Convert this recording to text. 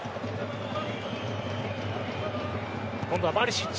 今度はバリシッチ。